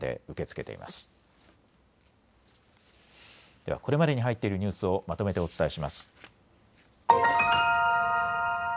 ではこれまでに入っているニュースをまとめてお伝えします。